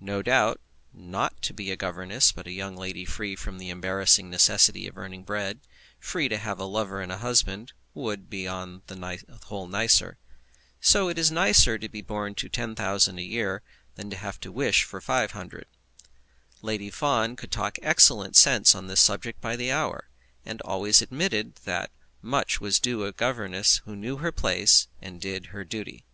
No doubt, not to be a governess, but a young lady free from the embarrassing necessity of earning bread, free to have a lover and a husband, would be upon the whole nicer. So it is nicer to be born to £10,000 a year than to have to wish for £500. Lady Fawn could talk excellent sense on this subject by the hour, and always admitted that much was due to a governess who knew her place and did her duty.